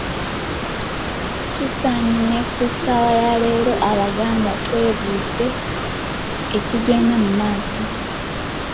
Tusaanye ne ku saawa ya leero Abaganda twebuuze ekigenda mu maaso.